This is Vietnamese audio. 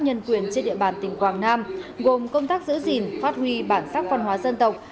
nhân quyền trên địa bàn tỉnh quảng nam gồm công tác giữ gìn phát huy bản sắc văn hóa dân tộc